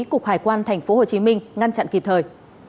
cục hải quan tp hcm ngăn chặn kịp thời